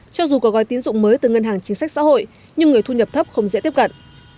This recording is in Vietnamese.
cho dù có gói tín dụng mới từ ngân hàng chính sách xã hội nhưng người thu nhập thấp không dễ tiếp cận